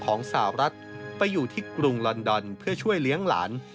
ของสาวรัฐไปอยู่ที่กรุงลอนดอนเพื่อช่วยเลี้ยงหลาน